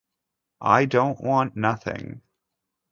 I don’t want nothing.